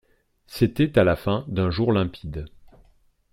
C'était à la fin d'un jour limpide.